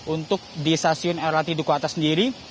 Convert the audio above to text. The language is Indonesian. untuk di stasiun lrt duku atas sendiri